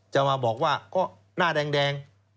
จะมาบอกว่าก็หน้าแดง